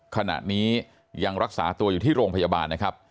ขณะนี้ยังรักษาตัวอยู่ที่โรงพยาบาลนะครับ